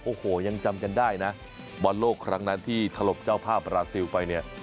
โอ้โหยังจำกันได้นะบอลโลกครั้งนั้นที่ถลบเจ้าภาพบราซิลไปเนี่ย